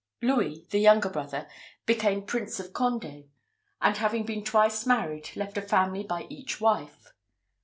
Louis, the younger brother, became Prince of Condé; and having been twice married, left a family by each wife.